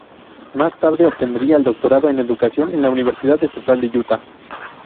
Más tarde obtendría el Doctorado en Educación en la Universidad Estatal de Utah.